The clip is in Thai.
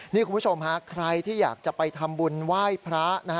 นี่คุณผู้ชมฮะใครที่อยากจะไปทำบุญไหว้พระ